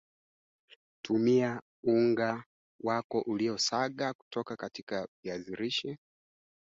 alielezea wasiwasi wake kuhusu kuteswa kwa wafungwa nchini Uganda na